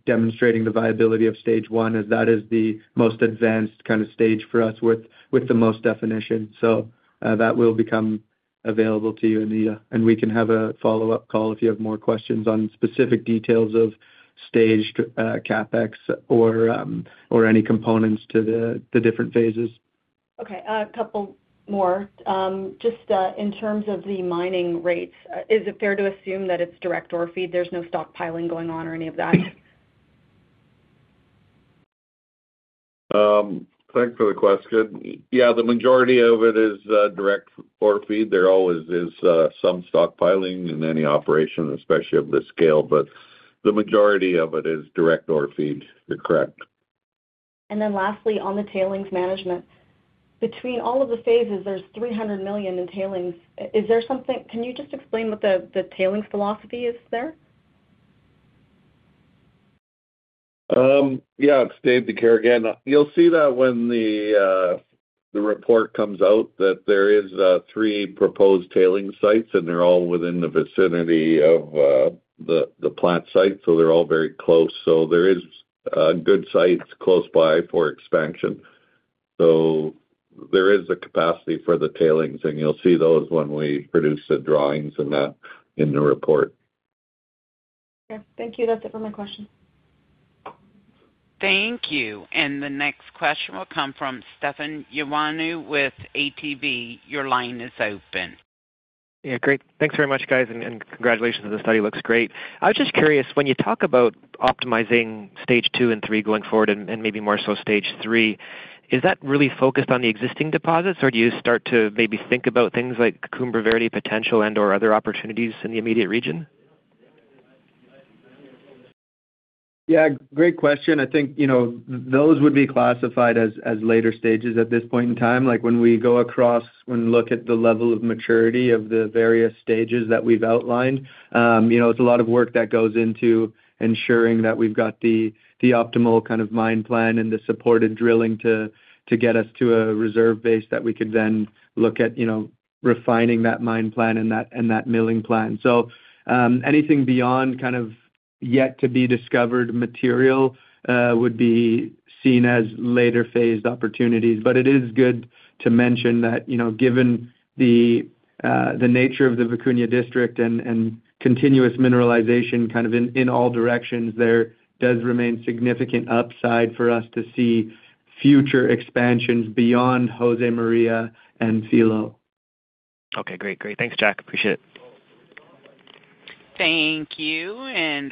demonstrating the viability of Stage 1, as that is the most advanced kind of stage for us with, with the most definition. So, that will become available to you, Anita, and we can have a follow-up call if you have more questions on specific details of staged, CapEx or, or any components to the, the different phases. Okay, a couple more. Just, in terms of the mining rates, is it fair to assume that it's direct ore feed? There's no stockpiling going on or any of that? Thank you for the question. Yeah, the majority of it is direct ore feed. There always is some stockpiling in any operation, especially of this scale, but the majority of it is direct ore feed. You're correct. And then lastly, on the tailings management. Between all of the phases, there's 300 million in tailings. Is there something, can you just explain what the, the tailings philosophy is there? Yeah, it's Dave Dicaire again. You'll see that when the report comes out, that there is three proposed tailings sites, and they're all within the vicinity of the plant site, so they're all very close. So there is good sites close by for expansion. So there is a capacity for the tailings, and you'll see those when we produce the drawings in the report. Okay. Thank you. That's it for my question. Thank you. And the next question will come from Stefan Ioannou with ATB. Your line is open. Yeah, great. Thanks very much, guys, and congratulations, the study looks great. I was just curious, when you talk about optimizing Stage 2 and 3 going forward, and maybe more so Stage 3, is that really focused on the existing deposits, or do you start to maybe think about things like Cumbre Verde potential and/or other opportunities in the immediate region? Yeah, great question. I think, you know, those would be classified as later stages at this point in time. Like, when we go across and look at the level of maturity of the various stages that we've outlined, you know, it's a lot of work that goes into ensuring that we've got the optimal kind of mine plan and the supported drilling to get us to a reserve base that we could then look at, you know, refining that mine plan and that milling plan. So, anything beyond kind of yet to be discovered material would be seen as later phased opportunities. But it is good to mention that, you know, given the nature of the Vicuña District and continuous mineralization kind of in all directions, there does remain significant upside for us to see-- Future expansions beyond Josemaria and Filo. Okay, great. Great. Thanks, Jack. Appreciate it. Thank you.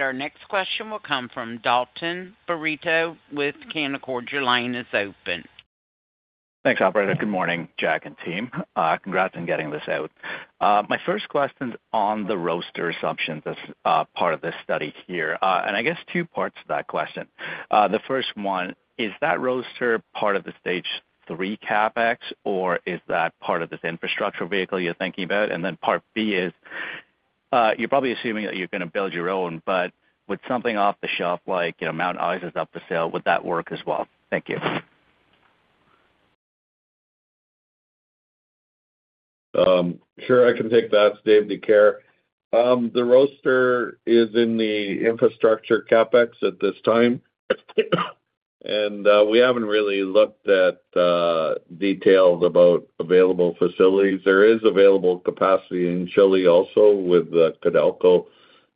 Our next question will come from Dalton Baretto with Canaccord. Your line is open. Thanks, operator. Good morning, Jack and team. Congrats on getting this out. My first question is on the roaster assumption, this part of this study here. And I guess two parts to that question. The first one, is that roaster part of the Stage 3 CapEx, or is that part of this infrastructure vehicle you're thinking about? And then part B is, you're probably assuming that you're going to build your own, but with something off the shelf, like, you know, Mount Isa is up for sale, would that work as well? Thank you. Sure, I can take that. It's Dave Dicaire. The roaster is in the infrastructure CapEx at this time, and we haven't really looked at details about available facilities. There is available capacity in Chile also with the Codelco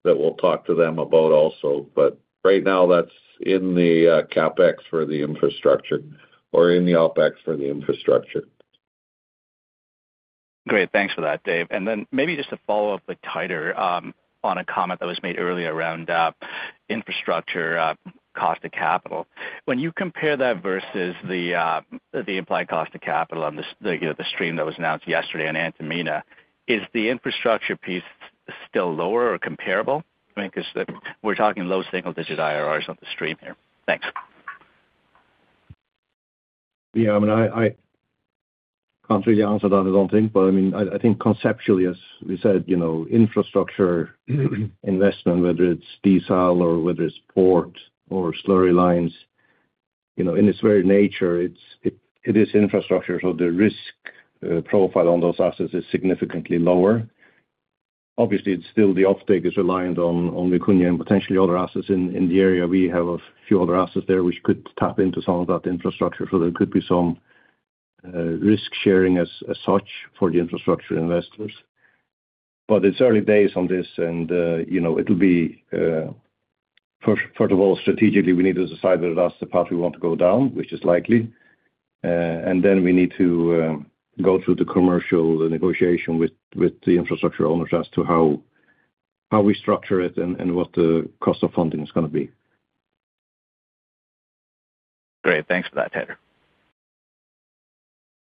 that we'll talk to them about also. But right now, that's in the CapEx for the infrastructure or in the OpEx for the infrastructure. Great, thanks for that, Dave. And then maybe just to follow up with Teitur, on a comment that was made earlier around, infrastructure, cost of capital. When you compare that versus the, the implied cost of capital on the, you know, the stream that was announced yesterday on Antamina, is the infrastructure piece still lower or comparable? I mean, because we're talking low single-digit IRRs on the stream here. Thanks. Yeah, I mean, I can't really answer that, I don't think. But, I mean, I think conceptually, as we said, you know, infrastructure investment, whether it's diesel or whether it's port or slurry lines, you know, in its very nature, it's, it is infrastructure, so the risk profile on those assets is significantly lower. Obviously, it's still the offtake is reliant on the Vicuña and potentially other assets in the area. We have a few other assets there, which could tap into some of that infrastructure, so there could be some risk-sharing as such for the infrastructure investors. But it's early days on this, and you know, it'll be first of all, strategically, we need to decide that that's the path we want to go down, which is likely. And then we need to go through the commercial, the negotiation with the infrastructure owners as to how we structure it and what the cost of funding is gonna be. Great. Thanks for that, Teitur.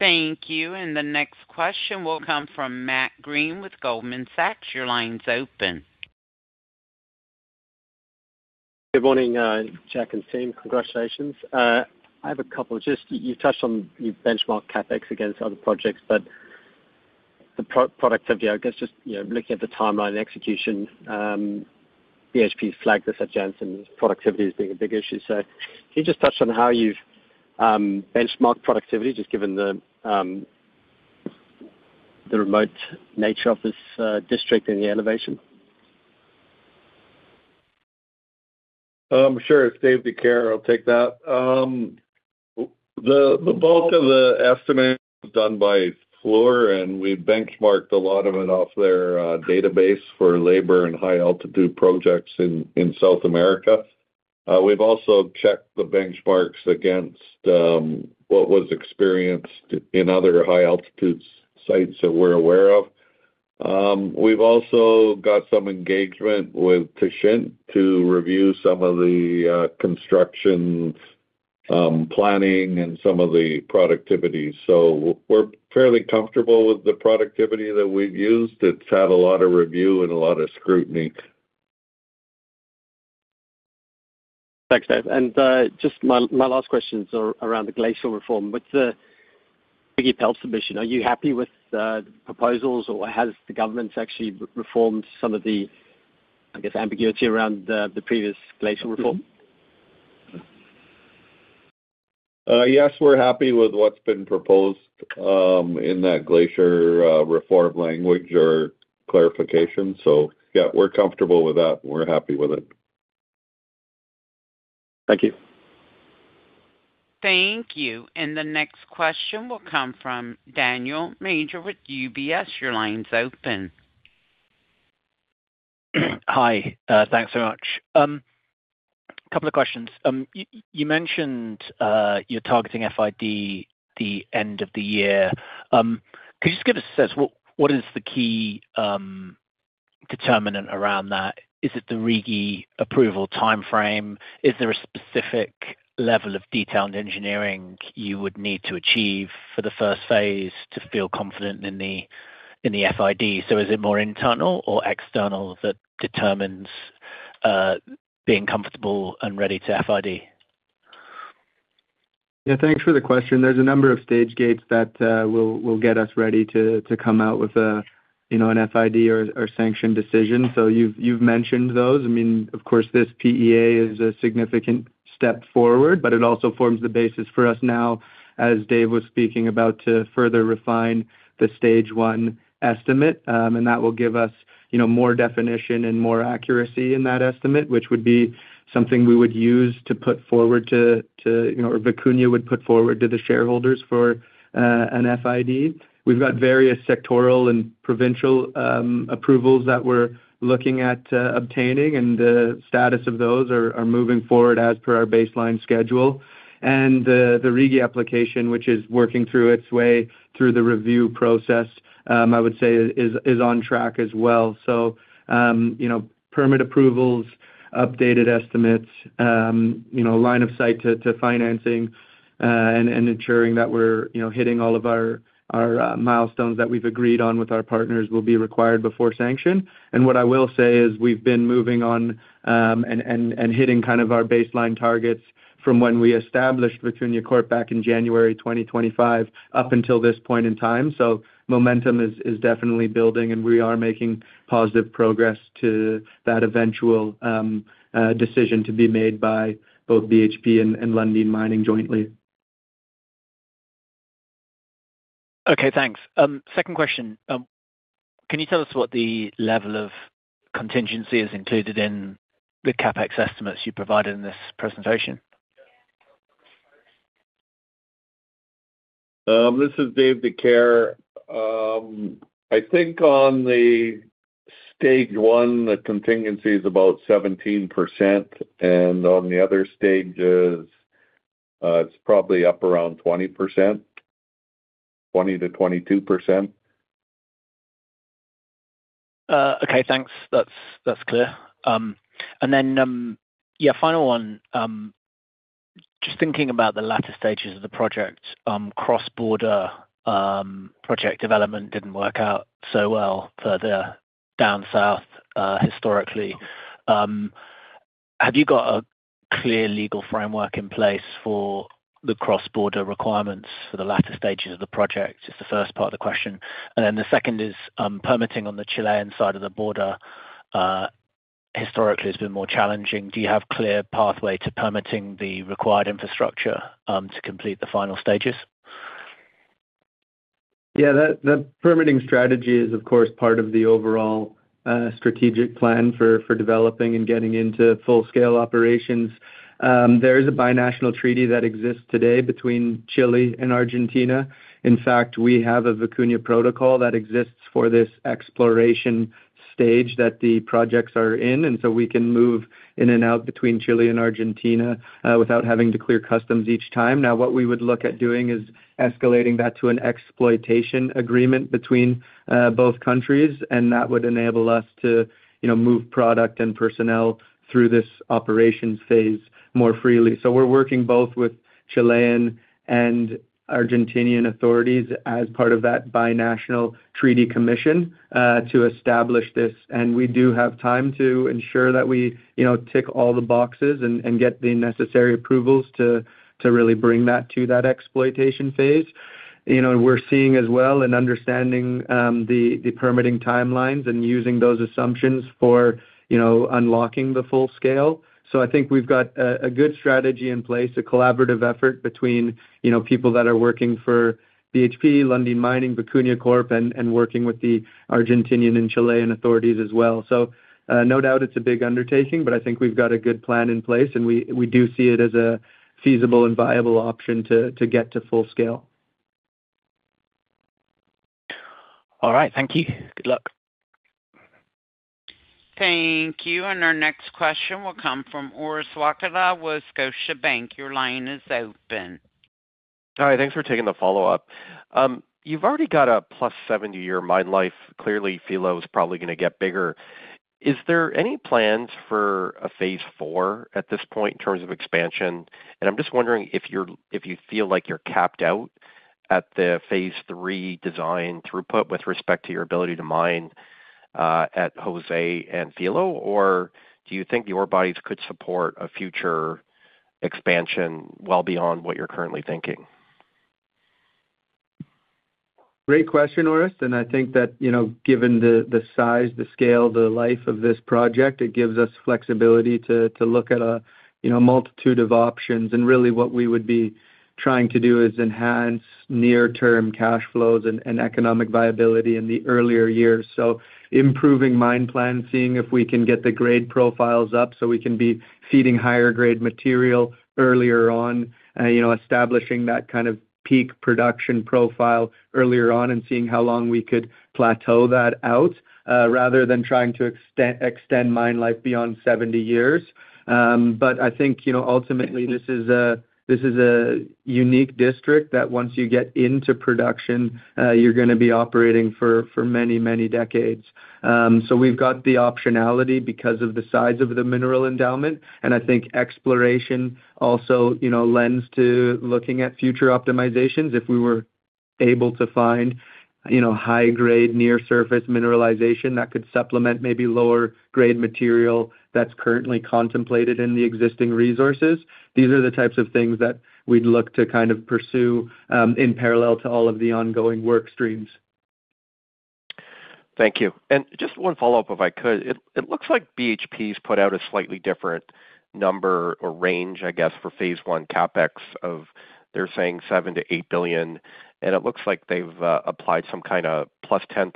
Thank you. The next question will come from Matt Greene with Goldman Sachs. Your line's open. Good morning, Jack and team. Congratulations. I have a couple. Just, you touched on, you benchmarked CapEx against other projects, but the pro-productivity, I guess, just, you know, looking at the timeline and execution, BHP flagged this at Jansen, productivity is being a big issue. So can you just touch on how you've benchmarked productivity, just given the the remote nature of this district and the elevation? Sure. It's Dave Dicaire. I'll take that. The bulk of the estimate was done by Fluor, and we benchmarked a lot of it off their database for labor and high-altitude projects in South America. We've also checked the benchmarks against what was experienced in other high-altitude sites that we're aware of. We've also got some engagement with Techint to review some of the construction planning and some of the productivity. So we're fairly comfortable with the productivity that we've used. It's had a lot of review and a lot of scrutiny. Thanks, Dave. Just my last questions are around the glacial reform. What's the big appeal submission? Are you happy with the proposals, or has the government actually reformed some of the, I guess, ambiguity around the previous glacial reform? Yes, we're happy with what's been proposed in that glacier reform language or clarification. So yeah, we're comfortable with that. We're happy with it. Thank you. Thank you. The next question will come from Daniel Major with UBS. Your line's open. Hi, thanks so much. Couple of questions. You mentioned, you're targeting FID the end of the year. Could you just give us a sense, what, what is the key determinant around that? Is it the RIGI approval timeframe? Is there a specific level of detailed engineering you would need to achieve for the first phase to feel confident in the, in the FID? So is it more internal or external that determines being comfortable and ready to FID? Yeah, thanks for the question. There's a number of stage gates that will get us ready to come out with, you know, an FID or sanction decision. So you've mentioned those. I mean, of course, this PEA is a significant step forward, but it also forms the basis for us now, as Dave was speaking about, to further refine the Stage 1 estimate. And that will give us, you know, more definition and more accuracy in that estimate, which would be something we would use to put forward to, you know, or Vicuña would put forward to the shareholders for an FID. We've got various sectoral and provincial approvals that we're looking at obtaining, and the status of those are moving forward as per our baseline schedule. And the RIGI application, which is working its way through the review process, I would say is on track as well. So, you know, permit approvals, updated estimates, you know, line of sight to financing, and ensuring that we're, you know, hitting all of our milestones that we've agreed on with our partners will be required before sanction. And what I will say is we've been moving on, and hitting kind of our baseline targets from when we established Vicuña Corp back in January 2025, up until this point in time. So momentum is definitely building, and we are making positive progress to that eventual decision to be made by both BHP and Lundin Mining jointly. Okay, thanks. Second question. Can you tell us what the level of contingency is included in the CapEx estimates you provided in this presentation? This is Dave Dicaire. I think on the Stage 1, the contingency is about 17%, and on the other stages, it's probably up around 20%, 20%-22%. Okay, thanks. That's, that's clear. And then, yeah, final one. Just thinking about the latter stages of the project, cross-border, project development didn't work out so well further down south, historically. Have you got a clear legal framework in place for the cross-border requirements for the latter stages of the project? It's the first part of the question. And then the second is, permitting on the Chilean side of the border, historically, has been more challenging. Do you have clear pathway to permitting the required infrastructure, to complete the final stages? Yeah, that permitting strategy is, of course, part of the overall, strategic plan for developing and getting into full-scale operations. There is a binational treaty that exists today between Chile and Argentina. In fact, we have a Vicuña Protocol that exists for this exploration stage that the projects are in, and so we can move in and out between Chile and Argentina without having to clear customs each time. Now, what we would look at doing is escalating that to an exploitation agreement between both countries, and that would enable us to, you know, move product and personnel through this operation phase more freely. So we're working both with Chilean and Argentinian authorities as part of that binational treaty commission to establish this. We do have time to ensure that we, you know, tick all the boxes and get the necessary approvals to really bring that to that exploitation phase. You know, we're seeing as well and understanding the permitting timelines and using those assumptions for, you know, unlocking the full scale. So I think we've got a good strategy in place, a collaborative effort between, you know, people that are working for BHP, Lundin Mining, Vicuña Corp, and working with the Argentinian and Chilean authorities as well. So, no doubt it's a big undertaking, but I think we've got a good plan in place, and we do see it as a feasible and viable option to get to full scale. All right. Thank you. Good luck. Thank you. Our next question will come from Orest Wowkodaw, Scotiabank. Your line is open. Hi, thanks for taking the follow-up. You've already got a +70-year mine life. Clearly, Filo is probably gonna get bigger. Is there any plans for a phase IV at this point, in terms of expansion? And I'm just wondering if you're—if you feel like you're capped out at the phase III design throughput with respect to your ability to mine at Josemaria and Filo, or do you think the ore bodies could support a future expansion well beyond what you're currently thinking? Great question, Orest, and I think that, you know, given the size, the scale, the life of this project, it gives us flexibility to look at a, you know, multitude of options. And really what we would be trying to do is enhance near-term cash flows and economic viability in the earlier years. So improving mine plan, seeing if we can get the grade profiles up so we can be feeding higher grade material earlier on, you know, establishing that kind of peak production profile earlier on and seeing how long we could plateau that out, rather than trying to extend mine life beyond 70 years. But I think, you know, ultimately, this is a unique district that once you get into production, you're gonna be operating for many, many decades. So we've got the optionality because of the size of the mineral endowment, and I think exploration also, you know, lends to looking at future optimizations. If we were able to find, you know, high grade, near surface mineralization, that could supplement maybe lower grade material that's currently contemplated in the existing resources. These are the types of things that we'd look to kind of pursue, in parallel to all of the ongoing work streams. Thank you. And just one follow-up, if I could. It, it looks like BHP's put out a slightly different number or range, I guess, for phase I CapEx of, they're saying $7 billion-$8 billion, and it looks like they've applied some kind of +10%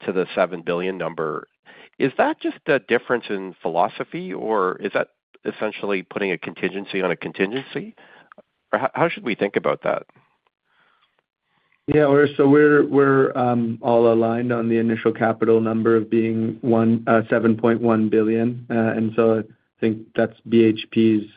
to the $7 billion number. Is that just a difference in philosophy, or is that essentially putting a contingency on a contingency? Or how, how should we think about that? Yeah, we're all aligned on the initial capital number of being $1.7 billion. And so I think that's BHP's,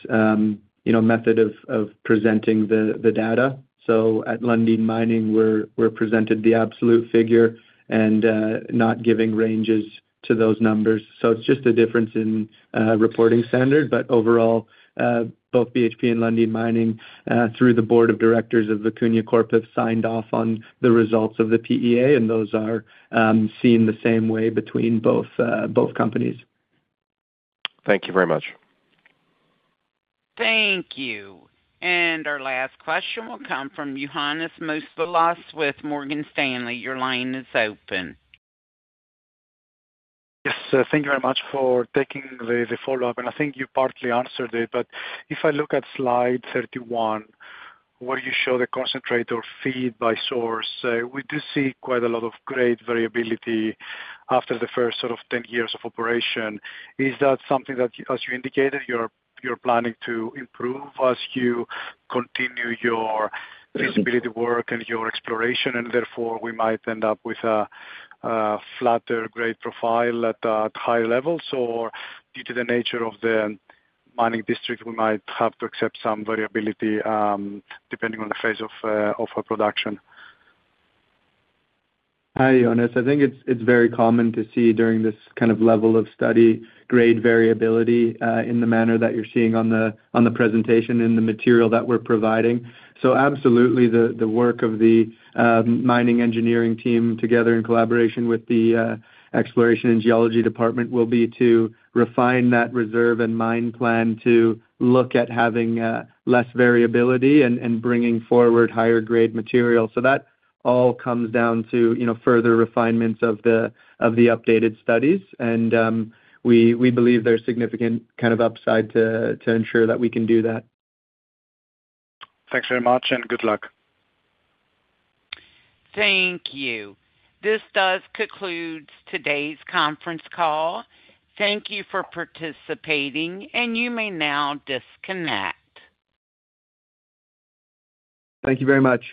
you know, method of presenting the data. So at Lundin Mining, we're presented the absolute figure and not giving ranges to those numbers. So it's just a difference in reporting standards. But overall, both BHP and Lundin Mining, through the Board of Directors of the Vicuña Corp., have signed off on the results of the PEA, and those are seen the same way between both companies. Thank you very much. Thank you. Our last question will come from Ioannis Masvoulas with Morgan Stanley. Your line is open. Yes, thank you very much for taking the follow-up, and I think you partly answered it. But if I look at slide 31, where you show the concentrate or feed by source, we do see quite a lot of great variability after the first sort of 10 years of operation. Is that something that, as you indicated, you're planning to improve as you continue your feasibility work and your exploration, and therefore, we might end up with a flatter grade profile at higher levels? Or due to the nature of the mining district, we might have to accept some variability, depending on the phase of our production. Hi, Ioannis. I think it's very common to see during this kind of level of study, grade variability, in the manner that you're seeing on the presentation and the material that we're providing. So absolutely, the work of the mining engineering team together in collaboration with the exploration and geology department, will be to refine that reserve and mine plan to look at having less variability and bringing forward higher grade material. So that all comes down to, you know, further refinements of the updated studies. And we believe there's significant kind of upside to ensure that we can do that. Thanks very much, and good luck. Thank you. This does conclude today's conference call. Thank you for participating, and you may now disconnect. Thank you very much.